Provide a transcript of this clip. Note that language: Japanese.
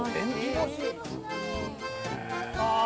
ああ。